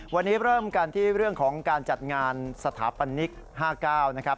วันนี้เริ่มกันที่เรื่องของการจัดงานสถาปนิก๕๙นะครับ